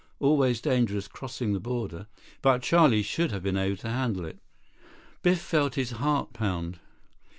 Always dangerous crossing the border. But Charlie should have been able to handle it." Biff felt his heart pound.